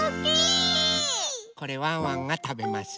これワンワンがたべます。